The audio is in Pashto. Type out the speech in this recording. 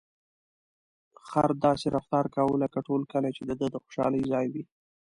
خر داسې رفتار کاوه لکه ټول کلي چې د ده د خوشحالۍ ځای وي.